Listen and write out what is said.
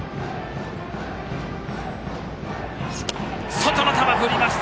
外の球、振りました。